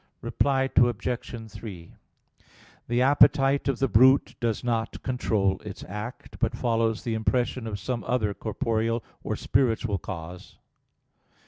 Reply Obj. 3: The appetite of the brute does not control its act, but follows the impression of some other corporeal or spiritual cause.